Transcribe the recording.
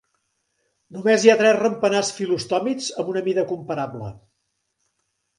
Només hi ha tres ratpenats fil·lostòmids amb una mida comparable.